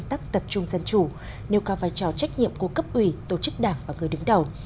điều quan trọng là phải tập trung dân chủ nêu cao vai trò trách nhiệm của cấp ủy tổ chức đảng và người đứng đầu